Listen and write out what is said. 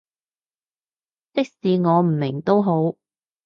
即使我唔明都好